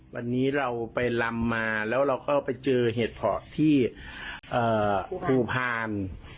วันนี้เราไปลำมาแล้วเราก็ไปเจอเห็ดเพาะที่ภูพาล